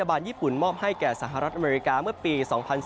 บาลญี่ปุ่นมอบให้แก่สหรัฐอเมริกาเมื่อปี๒๔